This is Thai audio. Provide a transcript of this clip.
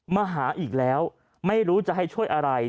มาหาอีกแล้วไม่รู้จะให้ช่วยอะไร